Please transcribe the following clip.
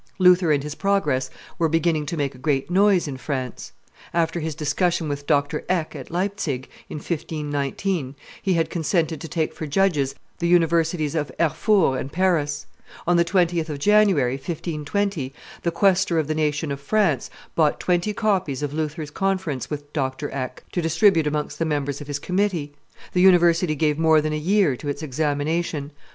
Luther and his progress were beginning to make a great noise in France. After his discussion with Dr. Eck at Leipzig in 1519 he had consented to take for judges the Universities of Erfurt and Paris; on the 20th of January, 1520, the quoestor of the nation of France bought twenty copies of Luther's conference with Dr. Eck to distribute amongst the members of his committee; the University gave more than a year to its examination.